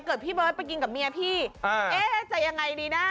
พี่เบิร์ตไปกินกับเมียพี่เอ๊ะจะยังไงดีนะ